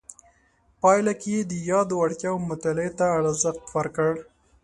پایله کې یې د یادو وړتیاو مطالعې ته ارزښت ورکړ.